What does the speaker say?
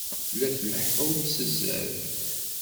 La tleḥḥum s zzerb!